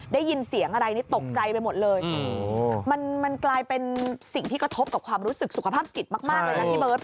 ได้ยินเสียงอะไรนี่ตกใจไปหมดเลยมันกลายเป็นสิ่งที่กระทบกับความรู้สึกสุขภาพจิตมากเลยนะพี่เบิร์ต